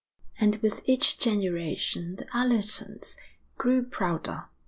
And with each generation the Allertons grew prouder.